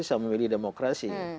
saya memilih demokrasi